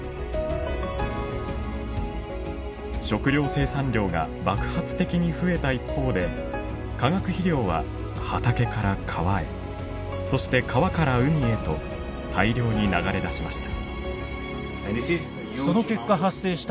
食糧生産量が爆発的に増えた一方で化学肥料は畑から川へそして川から海へと大量に流れ出しました。